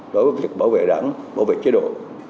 đối với việc bảo vệ đảng bảo vệ chế độ